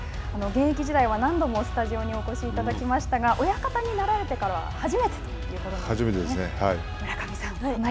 現役時代には何度もスタジオにお越しいただきましたが親方になられてからは初めてですね。